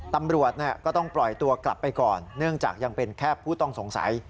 ตำรวจก็ต้องปล่อยตัวกลับไปก่อนเนื่องจากยังเป็นแค่ผู้ต้องสงสัย